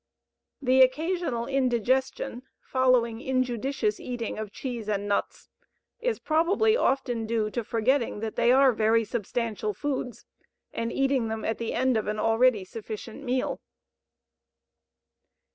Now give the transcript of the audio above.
The occasional indigestion following injudicious eating of cheese and nuts is probably often due to forgetting that they are very substantial foods and eating them at the end of an already sufficient meal.